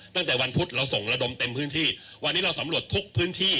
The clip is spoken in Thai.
ตั้งแต่วันพุธเราส่งระดมเต็มพื้นที่วันนี้เราสำรวจทุกพื้นที่